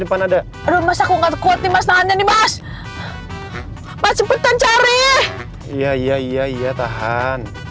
depan ada aduh masa aku nggak kuat nih mas tahan nih mas mas cepetan cari iya iya iya iya tahan